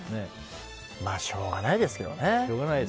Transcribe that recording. しょうがないですけどね。